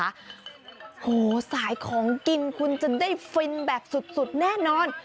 โอ้โหสายของกินคุณจะได้ฟินแบบสุดแน่นอน